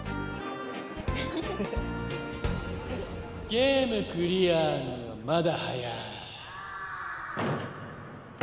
ゲームクリアにはまだはやい。